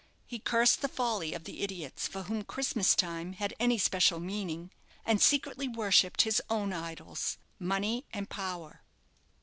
He cursed the folly of the idiots for whom Christmas time had any special meaning, and secretly worshipped his own idols money and power.